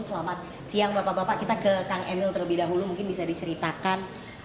selamat siang bapak bapak kita ke kang emil terlebih dahulu mungkin bisa diceritakan